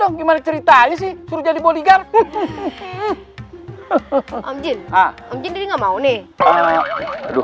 enak aja enak enak enak disuruh jadi bodyguard